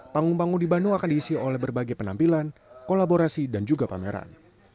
panggung panggung di bandung akan diisi oleh berbagai penampilan kolaborasi dan juga pameran